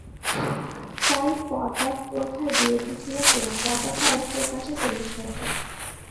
সাইদ পর্দা প্রথার বিরোধী ছিলেন এবং পর্দা ছাড়াই প্রকাশ্যে টেনিস খেলতেন।